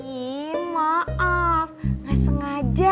ii maaf gak sengaja